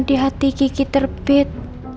di hati kiki terbit